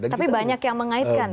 tapi banyak yang mengaitkan